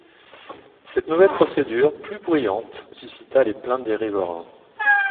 Cette nouvelle procédure, plus bruyante, suscita les plaintes des riverains.